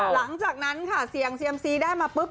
หลังจากนั้นค่ะเสี่ยงเซียมซีได้มาปุ๊บ